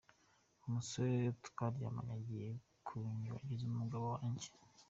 Umusore twaryamanye agiye kunyibagiza umugabo wanjye.